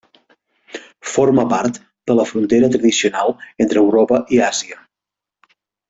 Forma part de la frontera tradicional entre Europa i Àsia.